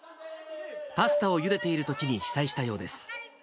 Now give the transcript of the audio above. パスタをゆでているときに被災したようです。